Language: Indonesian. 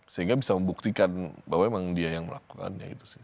sehingga bisa membuktikan bahwa emang dia yang melakukannya gitu sih